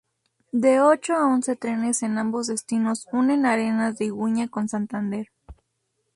De ocho a once trenes en ambos destinos unen Arenas de Iguña con Santander.